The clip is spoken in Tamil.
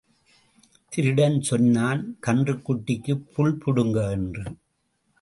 திருடன் சொன்னான், கன்றுக்குட்டிக்குப் புல் பிடுங்க. என்று.